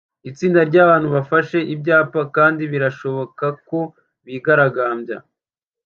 Itsinda ryabantu bafashe ibyapa kandi birashoboka ko bigaragambyaga